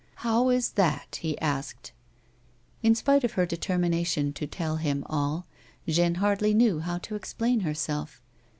" How is that 1 " he asked In spite of her determination to tell him all, Jeanne hardly knew how to explain herself.